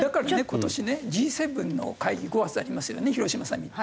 今年ねＧ７の会議５月ありますよね広島サミット。